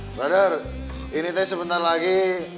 brother ini teh sebentar lagi